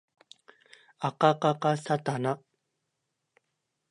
あかかかさたな